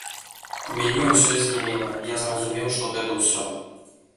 І ў мяне ўсё знямела, я зразумеў, што гэта ўсё.